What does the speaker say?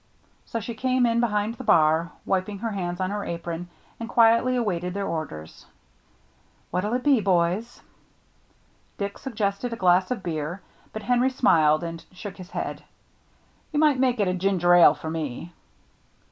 So she came in behind the bar, wiping her hands on her apron, and quietly awaited their orders. "What'llitbe, boys?" Dick suggested a glass of beer, but Henry smiled and shook his head. "You might make it ginger ale for me."